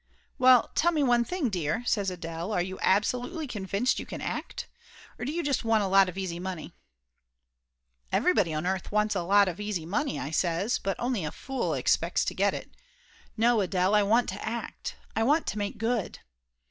"Well, tell me one thing, dear," says Adele. "Are you absolutely convinced you can act? Or do you just want a lot of easy money?" "Everybody on earth wants a lot of easy money," I says, "but only a fool expects to get it. No, Adele, I want to act; I want to make good